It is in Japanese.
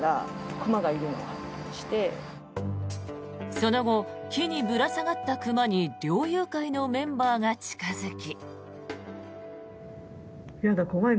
その後、木にぶら下がった熊に猟友会のメンバーが近付き。